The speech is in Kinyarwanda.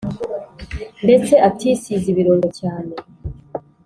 ndetse atisize ibirungo cyane